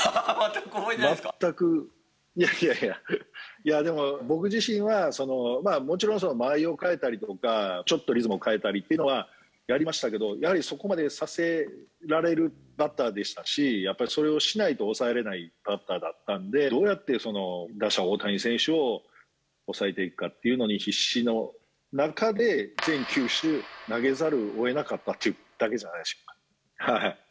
全く、いやいやいや、いやでも、僕自身は、もちろん間合いを変えたりとか、ちょっとリズムを変えたりというのはやりましたけど、やはりそこまでさせられるバッターでしたし、やっぱりそれをしないと抑えられないバッターだったんで、どうやって打者、大谷選手を抑えていくかというのに必死の中で全球種、投げざるをえなかったというだけじゃないでしょうか。